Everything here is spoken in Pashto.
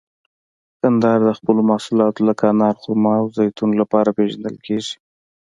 کندهار د خپلو محصولاتو لکه انار، خرما او زیتون لپاره پیژندل کیږي.